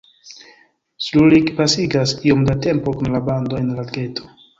Srulik pasigas iom da tempo kun la bando en la geto.